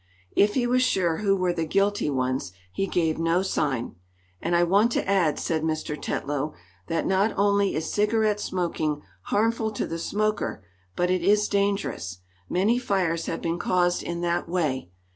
If he was sure who were the guilty ones he gave no sign. "And I want to add," said Mr. Tetlow, "that not only is cigarette smoking harmful to the smoker, but it is dangerous. Many fires have been caused in that way.